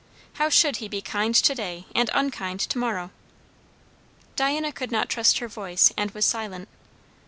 How should he be kind to day and unkind to morrow?" Diana could not trust her voice and was silent.